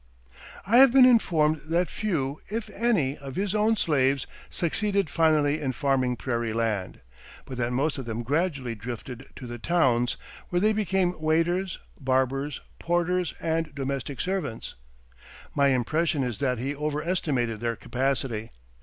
I have been informed that few, if any, of his own slaves succeeded finally in farming prairie land, but that most of them gradually drifted to the towns, where they became waiters, barbers, porters, and domestic servants. My impression is that he over estimated their capacity.